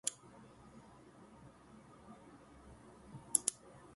I enjoy researching and giving sound legal advice to clients.